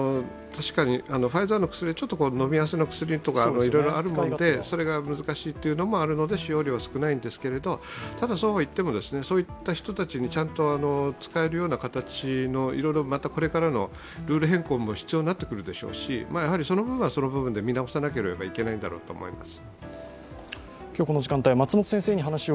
確かに、ファイザーの薬、飲み合わせの薬とかがいろいろあるもので、それが難しいというのもあるので使用量が少ないんですけども、ただそうはいっても、そういった人たちにちゃんと使えるような形、ルール変更も必要になってくるでしょうし、その部分はその部分で見直しが必要だと思います。